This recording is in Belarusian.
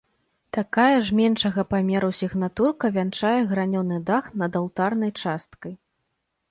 Такая ж меншага памеру сігнатурка вянчае гранёны дах над алтарнай часткай.